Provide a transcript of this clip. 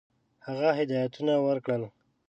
هغه هدایتونه ورکړل.